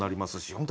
本当